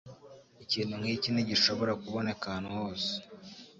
Ikintu nk'iki ntigishobora kuboneka ahantu hose.